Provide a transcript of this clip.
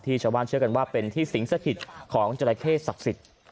ชาวบ้านเชื่อกันว่าเป็นที่สิงสถิตของจราเข้ศักดิ์สิทธิ์